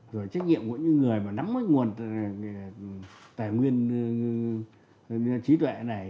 rồi trách nhiệm của những người nắm nguồn tài nguyên trí tuệ này